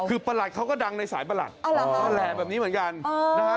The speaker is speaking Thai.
คือประหลัดเขาก็ดังในสายประหลัดแหละแบบนี้เหมือนกันนะฮะ